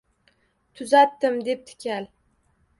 Тuzatdim, debdi kal